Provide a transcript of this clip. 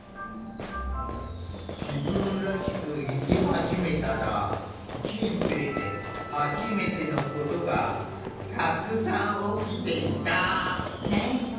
自分らしく生き始めたら人生ではじめてのことがたくさん起きていた！